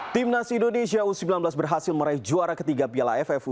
timnas indonesia u sembilan belas berhasil meraih juara ketiga piala ffu